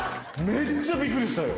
めっちゃびっくりしたよ。